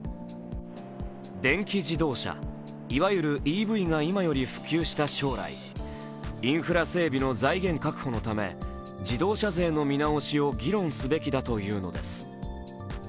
電気自動車、いわゆるＥＶが今より普及した将来、インフラ整備の財源確保のため自動車税の見直しを議論すべきだというのです。